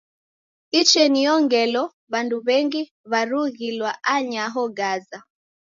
Icheniyo ngelo w'andu w'engi w'erughilwa anyaho Gaza.